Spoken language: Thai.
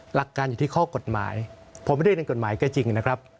หลักการอยู่ที่ข้อกฎหมายผมไม่ได้เป็นกฎหมายก็จริงนะครับ